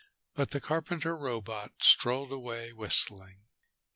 But the carpenter robot strolled away, whistling.